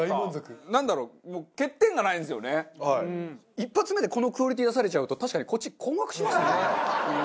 １発目でこのクオリティー出されちゃうと確かにこっち困惑しますね。